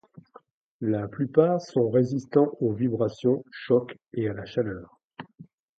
La plupart sont résistants aux vibrations, chocs et à la chaleur.